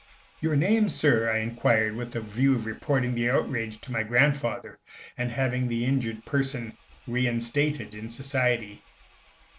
"Your name, Sir?' I inquired, with a view of reporting the outrage to my grandfather and having the injured person re instated in society.